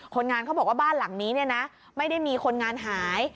คนงานเขาบอกว่าบ้านหลังนี้เนี่ยนะไม่ได้มีคนงานหาย